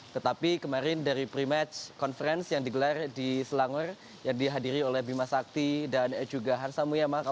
tetapi kemarin dari pre match conference yang digelar di selangor yang dihadiri oleh bima sakti dan juga hansa muyama